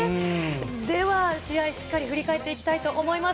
では、試合、しっかり振り返っていきたいと思います。